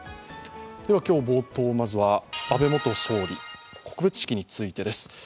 では、冒頭まずは安倍元総理、告別式についてです。